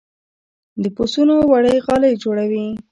د پسونو وړۍ غالۍ جوړوي